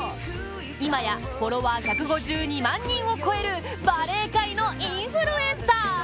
今や、フォロワー１５２万人を超えるバレー界のインフルエンサー。